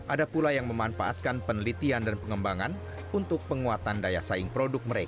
ada pula yang memanfaatkan penelitian dan pengembangan untuk penguatan daya saing produk mereka